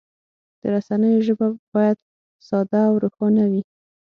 د رسنیو ژبه باید ساده او روښانه وي.